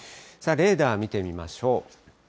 さあ、レーダー見てみましょう。